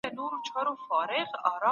ما ډېر پښتو